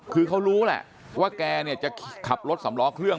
คือเขารู้แหละว่าแกเนี่ยจะขับรถสำล้อเครื่อง